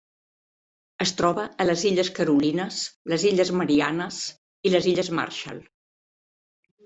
Es troba a les Illes Carolines, les Illes Mariannes i les Illes Marshall.